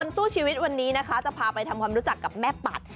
สู้ชีวิตวันนี้นะคะจะพาไปทำความรู้จักกับแม่ปัด